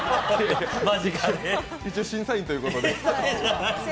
一応、審査員ということで。